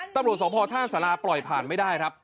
ตำรวจสมพท่าสาราปล่อยผ่านไม่ได้ครับ